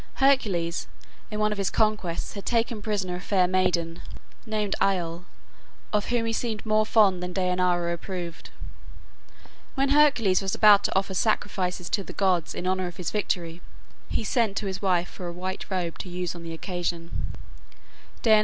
Hercules in one of his conquests had taken prisoner a fair maiden, named Iole, of whom he seemed more fond than Dejanira approved. When Hercules was about to offer sacrifices to the gods in honor of his victory, he sent to his wife for a white robe to use on the occasion.